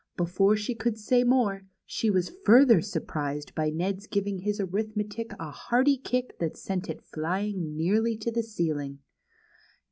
Before she could say more, she Avas further surprised by Ned's giving his arithmetic a hearty kick that sent it flying nearly to the ceiling.